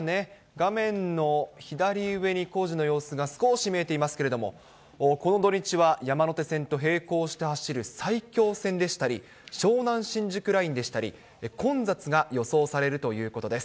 画面の左上に工事の様子が少し見えていますけれども、この土日は、山手線と並行して走る埼京線でしたり、湘南新宿ラインでしたり、混雑が予想されるということです。